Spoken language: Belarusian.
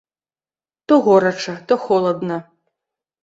То горача, то холадна.